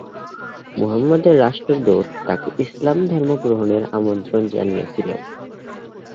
মুহাম্মাদের রাষ্ট্রদূত তাকে ইসলাম ধর্ম গ্রহণের আমন্ত্রণ জানিয়েছিল।